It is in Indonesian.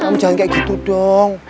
kamu jangan kayak gitu dong